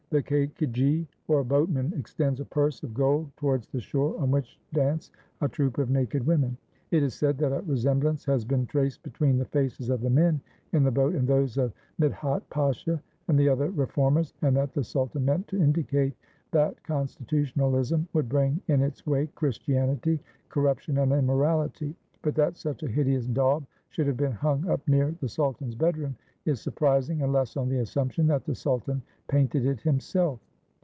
The caiqueji or boatman extends a purse of gold towards the shore, on which dance a troop of naked women. It is said that a resemblance has been traced between the faces of the men in the boat and those of INIidhat Pasha and the other reformers, and that the sultan meant to indicate that Constitu tionalism would bring in its wake Christianity, corrup tion, and immorality; but that such a hideous daub should have been hung up near the sultan's bedroom is surprising, unless on the assumption that the sultan painted it himself.